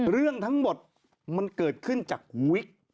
เรื่องทั้งหมดมันเกิดขึ้นจากหูวิก